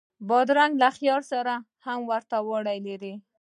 بادرنګ له خیار سره ورته والی لري.